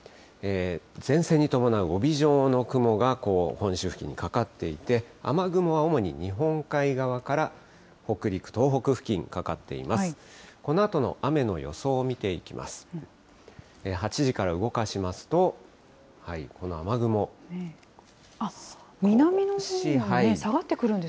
前線に伴う帯状の雲が、本州付近にかかっていて、雨雲は主に日本海側から北陸、東北付近にかかっています。